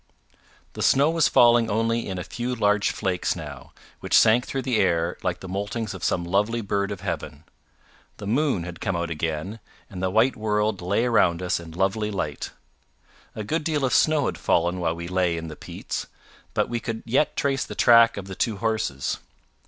The snow was falling only in a few large flakes now, which sank through the air like the moultings of some lovely bird of heaven. The moon had come out again, and the white world lay around us in lovely light. A good deal of snow had fallen while we lay in the peats, but we could yet trace the track of the two horses.